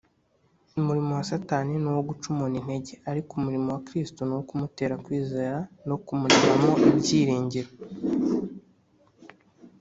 umurimo wa satani ni uwo guca umuntu intege, ariko umurimo wa kristo ni uwo kumutera kwizera no kumuremamo ibyiringiro